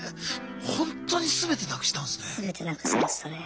ほんとに全てなくしたんすね。